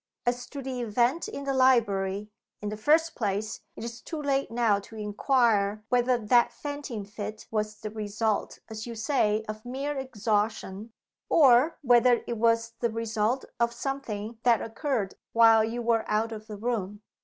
As to the event in the library (in the first place), it is too late now to inquire whether that fainting fit was the result, as you say, of mere exhaustion or whether it was the result of something that occurred while you were out of the room."